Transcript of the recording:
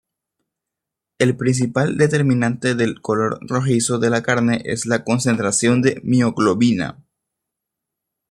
El principal determinante del color rojizo de la carne es la concentración de mioglobina.